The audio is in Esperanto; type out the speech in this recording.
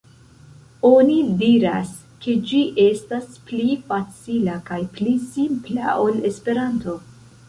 Oni diras, ke ĝi estas pli facila kaj pli simpla ol Esperanto.